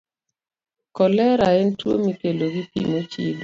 Kolera en tuwo mikelo gi pi mochido.